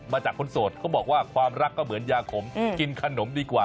มาจากคนโสดเขาบอกว่าความรักก็เหมือนยาขมกินขนมดีกว่า